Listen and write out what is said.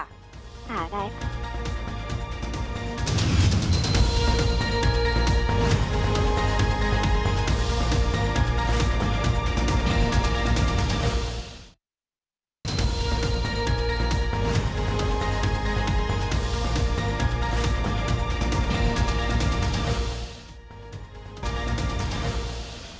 ค่ะได้ค่ะ